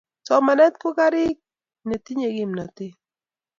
Somanet ko karik netinye kimnatet